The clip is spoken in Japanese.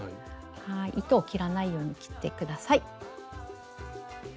糸を切らないように切って下さい。